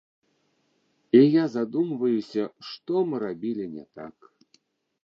І я задумваюся, што мы рабілі не так.